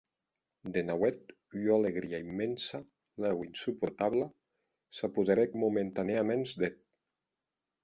De nauèth ua alegria immensa, lèu insuportabla, s’apoderèc momentanèaments d’eth.